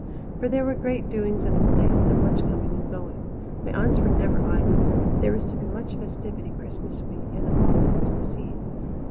For there were great doings at the Place and much coming and going. My aunts were never idle; there was to be much festivity Christmas week and a ball on Christmas Eve.